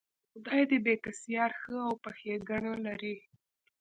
خدای دې بېکسیار ښه او په ښېګړه لري.